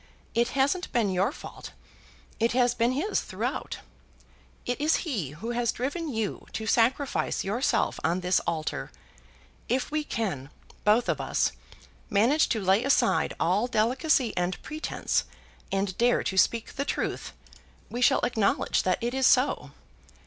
It hasn't been your fault; it has been his throughout. It is he who has driven you to sacrifice yourself on this altar. If we can, both of us, manage to lay aside all delicacy and pretence, and dare to speak the truth, we shall acknowledge that it is so.